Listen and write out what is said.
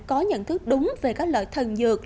có nhận thức đúng về các loại thần dược